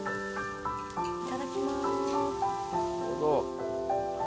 いただきます。